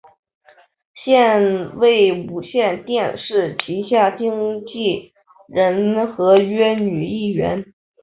现为无线电视旗下经理人合约女艺员。